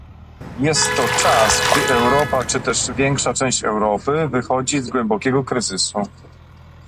Jest to czas, gdy Europa, czy też większa część Europy wychodzi z głębokiego kryzysu